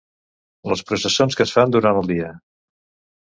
Les processons que es fan durant el dia.